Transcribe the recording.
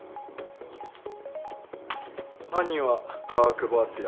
犯人は川久保敦也